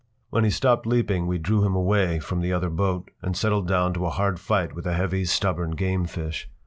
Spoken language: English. When he stopped leaping we drew him away from the other boat, and settled down to a hard fight with a heavy, stubborn, game fish.